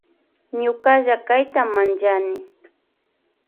Ñukalla kayta manllani.